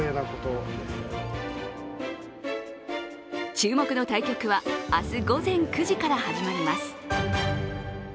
注目の対局は明日午前９時から始まります。